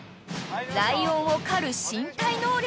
［ライオンを狩る身体能力］